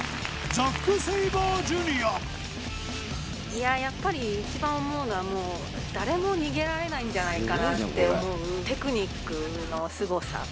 いややっぱり一番思うのはもう誰も逃げられないんじゃないかなって思うテクニックのすごさ。